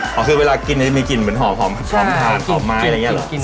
อ๋อคือเวลากินมันจะมีกลิ่นเหมือนหอมหอมหอมถ่านหอมไม้อะไรอย่างเงี้ยเหรอ